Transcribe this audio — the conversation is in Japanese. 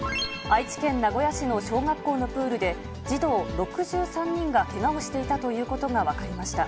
愛知県名古屋市の小学校のプールで、児童６３人がけがをしていたということが分かりました。